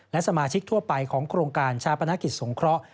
และสมาชิกทั่วไปของโครงการชาปนกิจสงเคราะห์